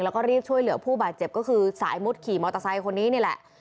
แล้วก็รีบช่วยเหลือผู้บาดเจ็บก็คือสายมุดขี่มอเตอร์ไซค์คนนี้นี่แหละ